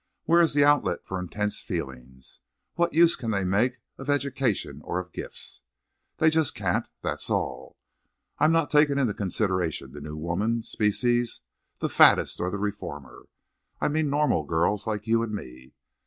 Where is the outlet for intense feelings? What use can they make of education or of gifts? They just can't, that's all. I'm not taking into consideration the new woman species, the faddist or the reformer. I mean normal girls like you and me.